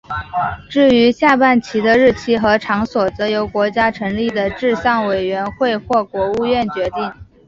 至于下半旗的日期和场所则由国家成立的治丧委员会或国务院决定。